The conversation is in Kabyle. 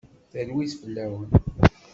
Talwit fell-awen.